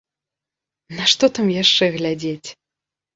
На што там яшчэ глядзець?